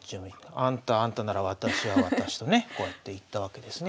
あんたはあんたなら私は私とねこうやっていったわけですね。